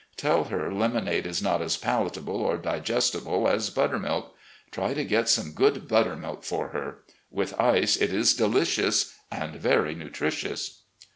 Tell her lemonade is not as palatable or digestible as buttermilk. Try to get some good buttermilk for her. With ice, it is dehcious and very nutritious."